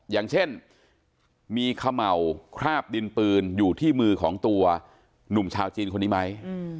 อย่างเช่นมีเขม่าวคราบดินปืนอยู่ที่มือของตัวหนุ่มชาวจีนคนนี้ไหม